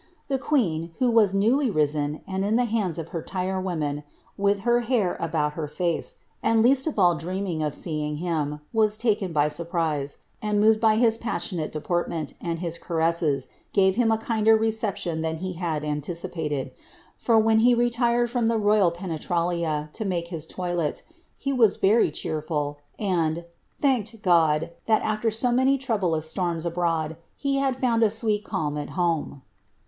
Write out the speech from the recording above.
The queen, who was newly risen, and in the hands of her tire women, with her hair about her face, and least of all dreaming of seeing him, was taken by surprise, ind moved by his passionate deportment, and his caresses, gave him a kinder reception than he had anticipated ; for when he retired from the ny3ral penetralia to make his toilet, he was very cheerful, and ^ thanked God, that after so many troublous storms abroad, he had found a sweet eilm at home."